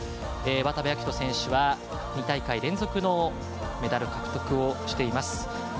渡部暁斗選手は２大会連続のメダル獲得をしています。